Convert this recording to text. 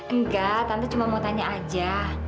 enggak tante cuma mau tanya aja